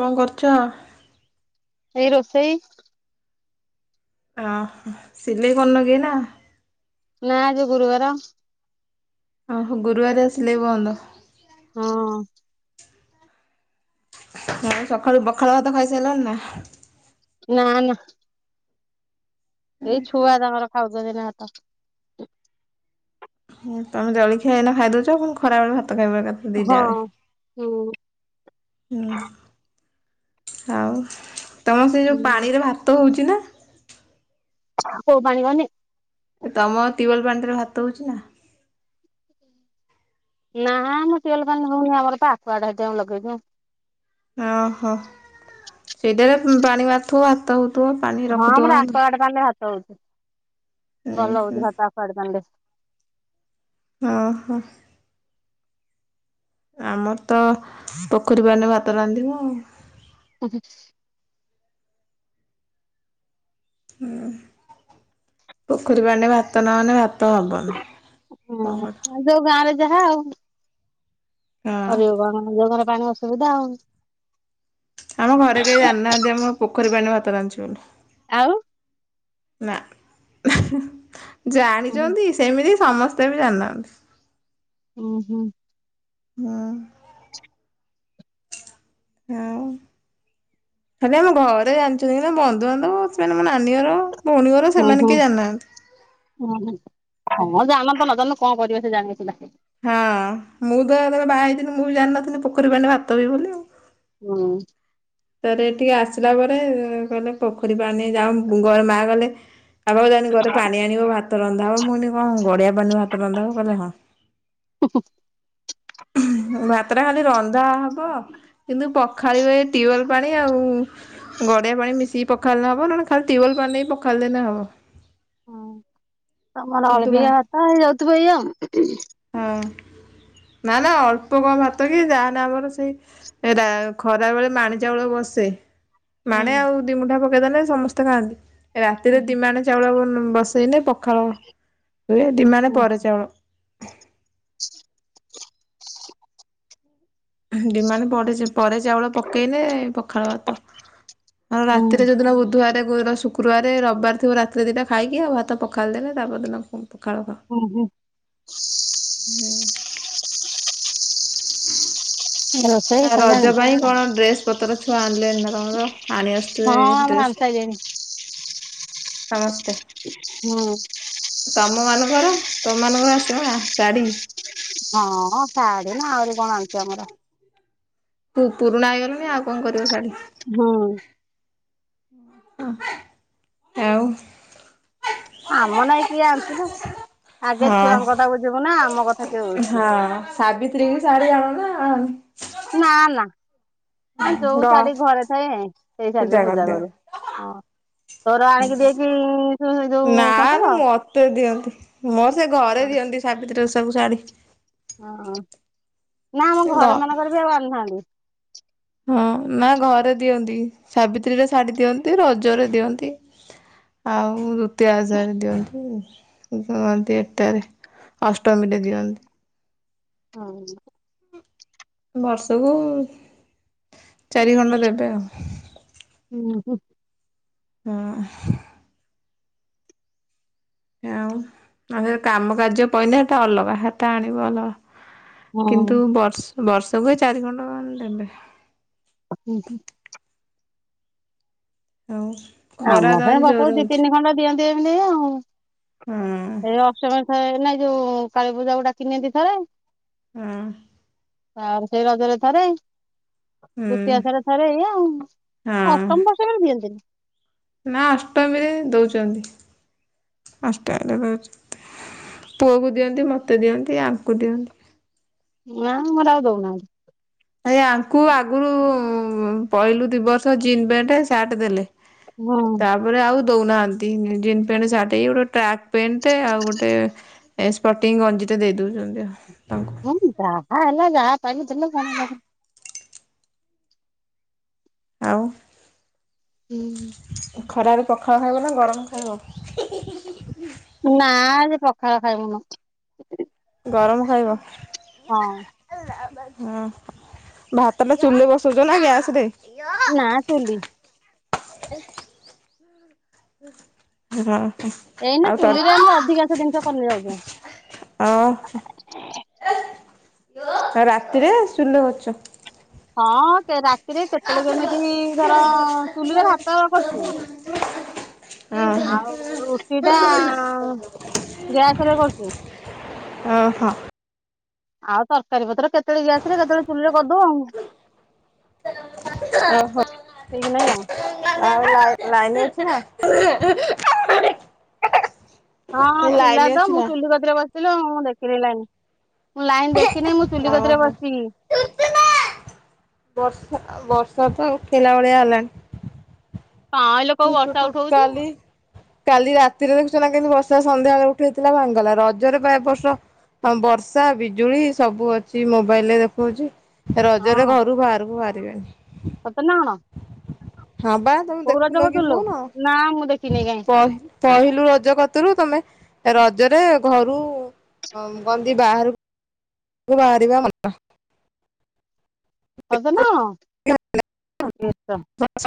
କଣ କରୁଛ? ଏଇ ରୋଷେଇ। ଓହୋ ସିଲେଇ କରୁନ କି ଏଇନା? ନା ଆଜି ଗୁରୁବାର। ଓହୋ ଗୁରୁବାର ସିଲେଇ ବନ୍ଦ। ହଁ। ହଁ ସକାଳୁ ପଖାଳ ଭାତ ଖାଇସାରିଲଣି ନା। ନା ନା। ଏଇ ଛୁଆ ତାଙ୍କର ଖାଉଛନ୍ତି ନା ଭାତ। ତମେ ଜଳଖିଆ ଏଇନା ଖାଇଦଉଛ ପୁଣି ଖରାବେଳେ ଭାତ ଖାଇବ ଏକାଥରେ। ଦିଟା ହଁ ବେଳେ। ହୁଁ। ହୁଁ ଆଉ ତମର ସେ ଯୋଉ ପାଣିରେ ଭାତ ହଉଛି ନା? କୋଉ ପାଣି ମାନେ? ତମ ଟ୍ୟୁବଲ୍ ପାଣି ଟାରେ ଭାତ ହଉଛି ନା? ନାଁ ଆମ ଟ୍ୟୁବଲ ପାଣିରେ ହଉନି ଆମର ପା ଆକ୍ଯୁଗାରିୟମ ସେଥିପାଇଁ ଲଗେଇଛୁ। ଓହୋ, ସେଇଟାରେ ପାଣି ମାରୁଥିବ ଭାତ ହଉଥିବ। ପାଣି ହଁ ରଖୁଥିବ। ଆମର ଆକ୍ଯୁଗାଡ୍ ପାଣିରେ ଭାତ ହଉଚି ହୁଁ ଭଲ ହୁଁ ହଉଚି ଭାତ ଆକ୍ଯୁଗାଡ୍ ପାଣିରେ। ହୁଁ ହୁଁ। ଆମର ତ ପୋଖରୀ ପାଣିରେ ଭାତ ରାନ୍ଧିବୁ ଆଉ। [unintelligible] ହୁଁ ପୋଖରୀ ପାଣିରେ ଭାତ ନହେଲେ ଭାତ ହବନି। କଣ କରିବ। ହଁ ଯୋଉ ଗାଁ ରେ ଯାହା ଆଉ। ହଁ କରିବେ କଣ ଯଉ ଗାଁରେ ପାଣି ଅସୁବିଧା ଆଉ। ଆମ ଘରେ କେହି ଜାଣିନାହାନ୍ତି ଆମେ ପୋଖରୀ ପାଣିରେ ଭାତ ରାନ୍ଧୁଛୁ ବୋଲି। ଆଉ? ନା ଉଁ ଜାଣିଛନ୍ତି ସେମିତି ସମସ୍ତେ ବି ଜାଣିନାହାନ୍ତି। ହୁଁ ହୁଁ। ହଁ। ଆଉ? ଖାଲି ଆମ ଘରେ ଜାଣିଛନ୍ତି ନା ବନ୍ଧୁବାନ୍ଧବ ସେ ମାନେ ମୋ ନାନୀ ଘର। ଭଉଣୀ ଘର ହୁଁ ସେମାନେ ହୁଁ କେହି ଜାଣିନାହାନ୍ତି। ହଁ ହଁ ହମ ଜାଣନ୍ତୁ ନଜାଣନ୍ତୁ କଣ କରିବେ ସେ ଜାଣିଲେ ସୁଧା। ହଁ ମୁଁ ତ ଯେତେବେଳେ ବାହା ହେଇଥିଲି ମୁଁ ବି ଜାଣିନଥିଲି ପୋଖରୀ ପାଣିରେ ଭାତ ହୁଏ ବୋଲି ଆଉ। ହୁଁ। ତାପରେ ଏଠିକି ଆସିଲା ପରେ କହିଲେ ପୋଖରୀ ପାଣି ଯାଉନୁ ମା ଗଲେ ଆଗକୁ ଯାଇନ ଥିବୁ ଗରେ ପାଣି ଆଣିବ ଭାତ ରନ୍ଧାହବ ମୁଁ କହିଲି କଣ ଗଡିଆ ପାଣିରେ ଭାତ ରନ୍ଧା ହବ କହିଲେ ହଁ। ହୁଁ। ଭାତ ଟା ଖାଲି ରନ୍ଧା ହେବ କିନ୍ତୁ ପଖାଳିବେ ଟ୍ୟୁୱେଲ ପାଣି ଆଉ ଗଡ଼ିଆ ପାଣି ମିଶିକି ପଖାଳିଲେ ହବ ନହେଲେ ଖାଲି ଟ୍ୱ୍ୟବଲ ପାଣିରେ ପଖାଳି ଦେଲେ ହବ। ତମର କିନ୍ତୁ ଭା ଅଳ୍ପୀକିଆ ଭାତ ହେଇଯାଉଥିବ ଏୟା ଆଉ। ହଁ ନା ନା ଅଳ୍ପ କଣ ଭାତ କି ଯାହେନେ ଆମର ସେଇ ଏରା ଖରା ବେଳେ ମାଣେ ଚାଉଳ ବସେ। ମାଣେ ଆଉ ଦି ମୁଠା ପକେଇଦେଲେ ସମସ୍ତେ ଖାଆନ୍ତି ହୁଁ। ରାତିରେ ଦି ମାଣେ ଚା ଚାଉଳ ବସେଇଲେ ପଖାଳ ହୁଏ ଦି ମାଣେ ହୁଁ ପରେ ଚାଉଳ। [unintelligible] ଦି ମାଣେ ପଡେ ସି ପରେ ଚାଉଳ ପକେଇଲେ ପଖାଳ ଭାତ ଆଉ ହୁଁ ରାତିରେ ଯୋଉଦିନ ବୁଧବାରେ ଗୁର ଶୁକ୍ କ୍ରୁବାରେ ରବିବାର ଥିବ ରାତିରେ ଦିଇଟା ଖାଇକି ଆଉ ଭାତ ପଖାଳି ଦେଲେ ତା ପରଦିନ ଫୁଣି ପଖାଳ ଖା ହୁଁ ହୁଁ। ହୁଁ। [inaudible] ହୁଁ ହାଲୋ। ଆଉ ରଜ ପାଇଁ କଣ ଡ୍ରେସ୍ ପତର ଛୁଆ ଆଣିଲେଣି ନା ତମର ଆଣି ହଁ ଆସୁଥୁବେ ଡ୍ରେସ୍। [unintelligible] ସମସ୍ତେ ହୁଁ। ତମମାନଙ୍କର ତମମାନଙ୍କର ଆସିବ ନା ଶାଢୀ। ହଁ ଶାଢୀ ନା ଆହୁରି କଣ ଆଣୁଛି ଆମର। ହୁ ପୁରୁଣା ହେଇଗଲୁଣି ଆଉ କଁ କରିବ ଶାଢୀ। ହଁ। ଆଉ ଆମ ନାଗି କିଏ ଆଣୁଚି ଲୋ ଆଗେ ହଁ। ଛୁଆଙ୍କ କଥା ବୁଝିବୁ ନା ଆମ କଥା କିଏ ବୁଝୁଚି। ହଁ ସାବିତ୍ରୀ କି ଶାଢୀ ଆଣୁ ନା। ନାଁ ନାଁ ଆମର ଯୋଉ ରହ ଶାଢୀ ଘରେ ଥାଏ ସେଇ ଶାଢୀରେ ପୂଜା କରୁ। ହଁ ତୋର ଆଣିକି ଦେଇଛି [unintelligible] ଯୋଉ ସନ୍ତୋଷ। ତୋର ଦିଅନ୍ତି ମୋର ସେ ଘରେ ଦିଅନ୍ତି ସାବିତ୍ରୀ ଓଷାକୁ ଶାଢୀ। ହଁ ନାଁ ଆମ ଗ ଘରମାନଙ୍କରେ ବି ଆଉ ଆଣୁନାହାନ୍ତି। ହଁ ନାଁ ଘରେ ଦିଅନ୍ତି ସାବିତ୍ରୀରେ ଶାଢୀ ଦିଅନ୍ତି ରଜରେ ଦିଅନ୍ତି। ଆଉ ଦୁତିଆ ଓଷାରେ ଦିଅନ୍ତି ଉଁ କୁହନ୍ତି ଏଟାରେ ଅଷ୍ଟମୀରେ ଦିଅନ୍ତି। ହଁ। ବର୍ଷୁକୁ ଚାରିଖଣ୍ଡ ଦେବେ ଆଉ। ହୁଁ ହୁଁ। ହଁ। ଆଉ ଆଉ ଯଦି କାମ କାର୍ଯ୍ୟ ପଇଲା ହେଟା ଅଲଗା ହେଟା ଆଣିବୁ ଅଲଗା। କିନ୍ତୁ ବର୍ଷୁ ବର୍ଷୁକୁ ଚାରିଖଣ୍ଡ ଉଁ ଦେବେ। ଆପଣୁଙ୍କୁ ଆଉ ଖରା ତ ଆମହ ଆଜି ବାପ ଜୋରେ ଦି ହଉଛି ତିନି ଖଣ୍ଡ ଦିଅନ୍ତିି ଏମିତି ଆଉଁ ହଁ ଏଇ ଅଷ୍ଟମୀରେ ଥରେ ନାଇଁ ଯୋଉ କାଳୀପୂଜାକୁ ଡାକି ନିଅନ୍ତି ଥରେ। ହୁଁ। ଆଉ ସେଇ ରଜେରେ ଥରେ ଦୁତିଆ ଓଷାରେ ହୁଁ ଥରେ ଏଇଆ ଆଉଁ ହଁ ଅଷ୍ଟମୀ ଫଷ୍ଟମୀରେ ଦିଅନ୍ତିନି। ନା ଅଷ୍ଟମୀରେ ଦଉଚନ୍ତି। ଅଷ୍ଟମୀରେ ଦଉଛତି ପୁଅକୁ ଦିଅନ୍ତି ମତେ ଦିଅନ୍ତି ଆଙ୍କୁ ଦିଅନ୍ତି। ନାଁ ମୋର ଆଉ ଦଉନାହାନ୍ତି। ଏଇ ଆଙ୍କୁ ଆଗୁରୁ ପହିଲୁ ଦି ବର୍ଷ ଜିନ୍ ପ୍ୟାଣ୍ଟେ ସାର୍ଟ ଦେଲେ। ହଁ। ତାପରେ ଆଉ ଦଉନାହାନ୍ତି ଇଁ ଜିନ୍ ପେଣ୍ଟେ ସାର୍ଟେ ଏଇ ଗୋଟେ ଟ୍ରାକ୍ ପେଣ୍ଟେ ଆଉ ଗୋଟେ ଏ ସ୍ପଟିଂ ଗଞ୍ଜିଟେ ଦେଇ ଦେଉଛନ୍ତି ଆଉ ତାଙ୍କୁ। ହଁ ଯେ ଯାହା ହେଲା ଯାହା ପାଇଲେ ଦେଲେ କଣ ହେଲା ସେଠୁ। ଆଉ? ହୁଁ ଖରାରୁ ପଖାଳ ଖାଇବ ନା ଗରମ ଖାଇବ? ନାଁ ସେ ପଖାଳ ଖାଇମୁନୁ। ଗରମ ଖାଇବ? ହଁ। [inaudible] ହଁ ଭାତଟା ଚୁଲିରେ ବସଉଚ ନା ଗ୍ୟାସରେ? ନାଁ ଚୁଲି। [inaudible] ଏଇନା ତର ଚୁଲିରେ ଆମର ଅଧିକାଂଶ ଜିନିଷ କରି ନେଇ ଯାଉଚୁ। ଆଉ [unintelligible] ରାତିରେ ଚୁଲିରେ କରୁଚ? ହଁ କେରା ରାତିରେ କେତଳେ କେମିତି ଧର ଚୁଲିରେ ଭାତ କରୁଚୁ। ଓହୋ ଆଉ ରୁଟିଟା ଗ୍ୟାସରେ କରଚୁ। ଓହୋ? ଆଉ ତରକାରୀ ପତ୍ର କେତେଳେ ଗ୍ୟାସରେ କେତଳେ ଚୁଲିରେ କରିଦଉ ଆଉ। [unintelligible] ଓହୋ। ସେଇଥିନାଗି ଆଉ ଆଉ ଲାଇ ଲାଇନ ଅଛି ନା? [unintelligible] ହଁ ଏ ଲାଇନ ଥିଲା ତ ଅଛି ମୁଁ ନା ଚୁଲି କ ତିରେ ବସିଥିଲ ମୁଁ ଦେଖିନି ଲାଇନ, ମୁଁ ଲାଇନ ଦେଖିନେହିଁ ମୁଁ ଚୁଲିିକତିରେ ଓହୋ। ବସିଚି। ବର୍ଷା ତ, ବର୍ଷା ତ ଉଠେଇଲା ଭଳିଆ ହେଲାଣି। କାଇଁ ଲୋ କୋଉ ବର୍ଷା [unintelligible] ଉଠଉଛି। କାଲି କାଲି ରାତିରେ ଦେଖୁଛ ନା କେମତି ବର୍ଷା ସନ୍ଧ୍ୟାବେଳେ ଉଠେଇଥିଲା ଭାଙ୍ଗଗଲା, ରଜରେପା ଏ ବର୍ଷ ହଁ ବର୍ଷା, ବିଜୁଳି ସବୁ ଅଛି ମୋବାଇଲରେ ଦେଖଉଛି। ରଜରେ ଘରୁ ବାହାରକୁ ବାହାରିବେନି। ସତରେ ନା କଣ? ହଁ ପା ତମେ କୋଉ ରଜ ଦେଖୁନ କି କରୁଥିଲୁ ଫୋନ? ନା ମୁଁ ଦେଖିନି କାଇଁ ପ ପହିଲୁ ରଜ କତରୁ ତମେ ରଜରେ ଘରୁ ଅଁ କନ୍ତି ବାହାରୁ କୁ ବାହାରିବା ମନା। ସତରେ ନା କଣ? [unintelligible] [unintelligible]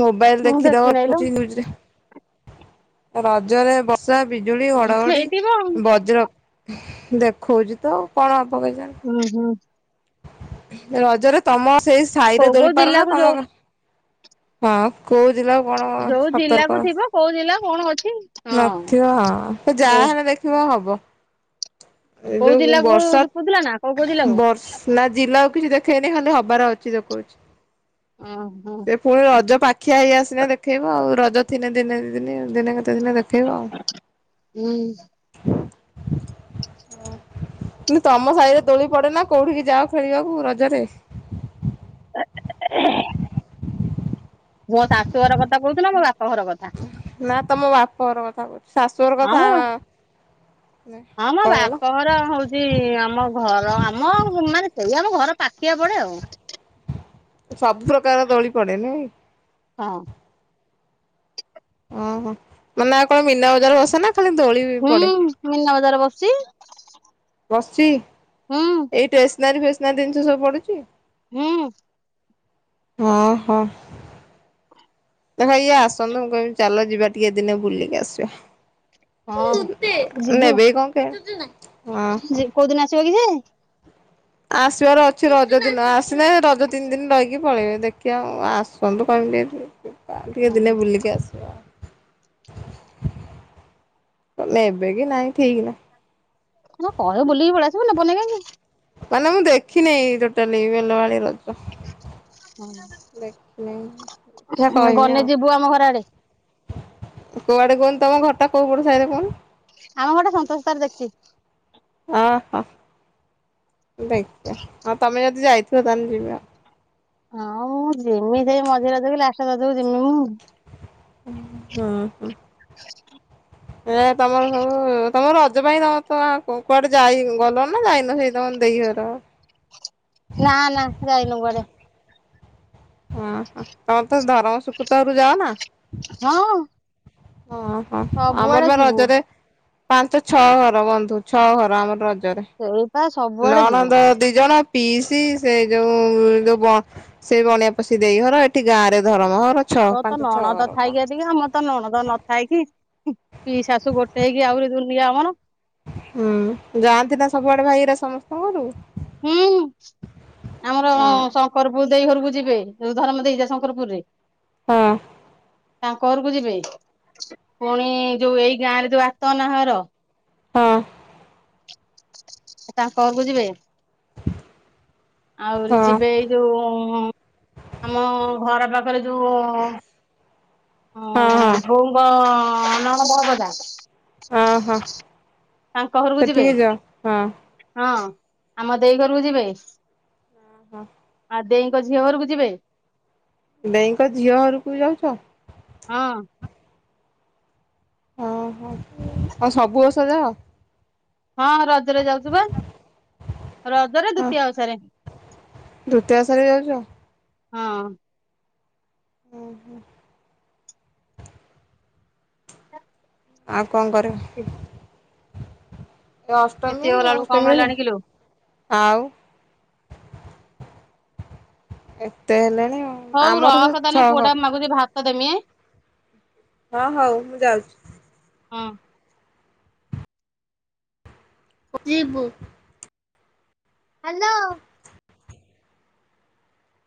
ମୋବାଇଲ ମୁଁ ଦେଖିଦବ ଦେଖିନେଇ ଲୋ। ଦେଖଉଛି ନ୍ୟୁଜରେ। ରଜରେ ବର୍ଷା, ବିଜୁଳି, ଉଁ ଘଡ଼ଘଡ଼ି, ହେଇଥିବ ଆଉ। ବଜ୍ର ଦେଖଉଛି ତ କଣ ହବ କେଜାଣି? ଉଁ, ହୁଁ। ରଜରେ ତମ ସେଇ ସାଇରେ କୋଉ କୋଉ ଦୋଳି ପାରନା ଜିଲ୍ଲାକୁ ଯୋଉ ତମ ହଁ କୋଉ ଦିନ କଣ ଯୋଉ ସତର୍କ? ଜିଲ୍ଲାକୁ ଥିବ କୋଉ ଜିଲ୍ଲା କଣ ଅଛି। ହଁ। ନଥିବ ହଁ। ସେ କୋଉ ଯାହେନେ ଦେଖିବ ହବ। ଏ କୋଉ ଯୋଉ ଜିଲ୍ଲାକୁ ବର୍ଷା, କହୁଥିଲା ନା କୋଉ କୋଉ ଜିଲ୍ଲାକୁ? ବର୍ଷ ନା ଜିଲାକୁ କିଛି ଦେଖେଇନି ଖାଲି ହବାର ଅଛି ଦେଖଉଛି। ଓଁହୋ। ସେ ପୁଣି ରଜ ପାଖିଆ ହେଇଆସିନେ ଦେଖେଇବ ଆଉ ରଜ ଥିନେ ଦିନେ ଦି ଦିନି ଆଉ ଦିନେ କେତେ ଦିନେ ଦେଖେଇବ ଆଉ? ହୁଁ ତମ ସାହିରେ ଦୋଳି ପଡ଼େ ନା କୋଉଠିକି ଯାଅ ଖେଳିବାକୁ ରଜରେ? ମୋ ଶାଶୁଘର କଥା କହୁଥିଲ ମୋ ବାପାଘର କଥା। ନା ତମ ବାପଘର କଥା କହୁଛି, ଶାଶୁଘର ହଁ କଥା ମୋ ହଁ ମ କହିଲ? ବାପ ଘର ହଉଚି ଚି ଆମ ଘର ଆମ ମାନେ ସେଇ ଆମ ଘର ପାଖିଆ ପଡେ ଆଉ। ସବୁ ପ୍ରକାର ଦୋଳି ପଡେ ନୁହେଁକି? ହଁ। ଅ ହଁ ମାନେ ଆଉ କଣ ମନା ବଜାର ବସେ ନା ଖାଲି ଦୋଳି? ହୁଁ ପଡେ? ମନା ବଜାର ବସୁଚି। ବସିଚି ହୁଁ ଏଇ ଟେସନାରୀ ଫେସନାରୀ ଜିନିଷ ସବୁ ପଡୁଚି? ହୁଁ। ହଁ ହଁ। ଦେଖ ଇଏ ଆସନ୍ତୁ ମୁଁ କହିବି ଚାଲ ଯିବା ଟିକେ ଦିନେ ବୁଲିକି ଆସିବା। ହଁ। ନେବେ କି କଣ କେଜାଣି? ହଁ ହଁ। ଜି କୋଉ ଦିନ ଆସିବ କି ସେଏ? ଆସିବାର ଅଛି ରଜ ଦିନ ଆସନେ ରଜ ତିନି ଦିନି ରହିକି ପଳେଇବେ ଦେଖିବା ଆଉ ଆସନ୍ତୁ କମିତି [inaudible] ଟିକେ ଦିନେ ବୁଲିକି ଆସିବା ଆଉ। ନେବେ କି ନାଇଁ ଠିକି ନାଇଁ। କହିବ ବୁଲିକି ପଳେଇ ଆସିବନି ନବନି କାହିଁକି? ମାନେ ମୁଁ ଦେଖିନି ଟୋଟାଲି ବେଲ ବାଳି ରଜ। ଦେଖନି ଦେଖିଆ କହିବି ଗଲେ ଆଉ। ଯିବୁ ଆମ ଘର ଆଡେ [unintelligible] କୁଆଡେ କହନ୍ତୁ ତମ ଘରଟା କୋଉ ପଟ ସାଇରେ କହୁନୁ? ଆମ ଘରଟା ସନ୍ତୋଷ ସାର ଦେଖିଚି। ଆ ହ ଦେଖିବା ହଁ ତମେ ଯଦି ଯାଇଥିବ ତାହେଲେ ଯିବି ଆଉ। ହଁ ମୁଁ ଜିମି ଯେ ମଝି ରଜ କି ଲାଷ୍ଟ ରଜ ଜିମି ମୁଁ। ହୁଁ ହୁଁ। ଆ [inaudible] ଏ ତମର ହଉ ତମ ରଜ ପାଇଁ ତମେ ତ କୁଆଡେ ଯାଇ ଗଲ ନା ଯାଇନ ସେ ତମ ଦେଇ ଘର [unintelligible] ନା ନା ଯାଇନୁ କୁଆଡେ। ହଁ ତମେ ତ ଧରମ ଶୁକୁତ ଘରକୁ ଯାଅ ନା? ହଁ। ଅ ହଁ ଆମର ସବୁଆଡେ ବା ଯିବୁ ରଜରେ ପାଞ୍ଚ ଛଅ ଘର ବନ୍ଧୁ ଛଅ ଘର ଆମର ରଜରେ। ହଁ [inaudible] ନଣନ୍ଦ ଦି ଜଣ ପିଇସି ସେ ଯୋଉ ଯୋଉ ସେଇ ବଣିଆ ପଶି ଦେଇ ଘର ଏଠି ଗାଁ ରେ ଧରମ ଘର। ଛଅ ତୋର ତ ପାଞ୍ଚ ଛଅ ନଣଦ ଘର ପା। ଥାଇକି ଏତିକି ଆମ ତ ନଣଦ ନ ଥାଇ କି ପିଇସି ଶାଶୁ ଗୋଟେ ହେଇକି ଆହୁରି ଦୁର୍ନିଆ ଆମର। ହୁଁ ଯାଆନ୍ତି ନା ସବୁଆଡେ ଭାଇହେରା ସମ କରୁ ହୁଁ ଆମର ହଁ ଶଙ୍କରପୁରୁ ଦେଇ ଘରକୁ ଯିବେ ଧରର୍ମ ଦେଇ ଜାଏ ଶଙ୍କରପୁରୁରେ। ହଁ। ତାଙ୍କ ଘରକୁ ଯିବେ ପୁଣି ଯୋଉ ଏଇ ଗାଁରେ ଯୋଉ ଆତନା ଘର ହଁ। ତାଙ୍କଘରକୁ ଯିବେ। ଆହୁରି ହଁ ଯିବେ ଏଇ ଯୋଉଁ ଆମ ଘର ପାଖରେ ଯୋଉଁ ହଁ ହଁ ଉଁ ବୋଉଙ୍କ ନଣନ୍ଦ [unintelligible] ହଁ ହଁ ତାଙ୍କ ଘରକୁ ଯିବେ ସେଠିକି ଯାଅ ହଁ ହଁ। ଆମ ଦେଇ ଘରୁକୁ ଯିବେ। ଅଁ ହଁ ଆ ଦେଇଙ୍କ ଝିଅ ଘରୁକୁ ଯିବେ। ଦେଇଙ୍କ ଝିଅ ଘରକୁ ବି ଯାଉଚ? ହଁ। ଓହୋ କଁ ସବୁବର୍ଷ ଯାଅ? ହଁ ରଜରେ ଯାଉଚୁ ବା ରଜରେ ଦୂତୀଆ ଓଷାରେ। ଦୂତିଆ ଓଷାରେ ଯାଉଚ? ହଁ। ଉଁ ହୁଁ। ଆଉ କଣ କରିବୁ? [unintelligible] ଏ ଦ୍ୱିତୀୟ ଅଷ୍ଟମୀ ଗଲା ବେଳକୁ କମ ଅଷ୍ଟମୀ [unintelligible] ହେଲାଣି କିଲୋ ଆଉ ଏତେ ହେଲେଣି ଆଉ। ହଉ ଆମର ସବୁ ରଖ ତାହାନେ ଛଅ ପୁଅଟା ଘର ମାଗୁଚି ଭାତ ଦେମିଁ। ହ ହଉ ମୁଁ ଯାଉଚି। ହଁ। [unintelligible] ଯିବୁ। ହାଲୋ।